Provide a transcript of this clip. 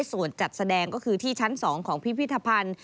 ส่วนจัดแสดงก็คือที่ชั้น๒ของพิพิธภัณฑ์